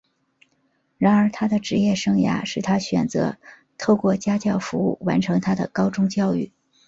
然而他的职业生涯使他选择透过家教服务完成他的高中教育。